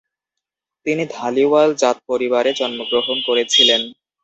তিনি ধালিওয়াল জাত পরিবারে জন্মগ্রহণ করেছিলেন।